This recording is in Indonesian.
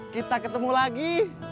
kita ketemu lagi